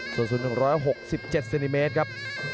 ส่วนสุด๑๖๗ซินิเมตรครับ